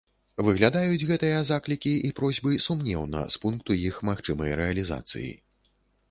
Выглядаюць гэтыя заклікі і просьбы сумнеўна з пункту іх магчымай рэалізацыі.